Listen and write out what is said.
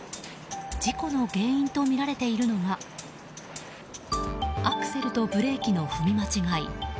事故の原因とみられているのがアクセルとブレーキの踏み間違い。